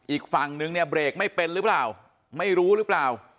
อีกฝั่งนึงเนี่ยเบรกไม่เป็นหรือเปล่าไม่รู้หรือเปล่า